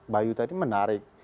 bayu tadi menarik